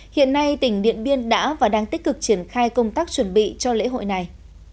hiện nay tỉnh điện biên đã và đang tích cực triển khai công tác chuẩn bị cho lễ hội này